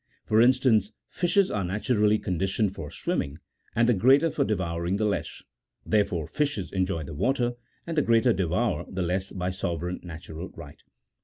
For instance, fishes are naturally conditioned for swimming, and the greater for devouring the less ; there fore fishes enjoy the water, and the greater devour the less by sovereign natural right.